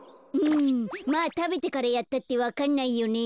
まあたべてからやったってわかんないよね。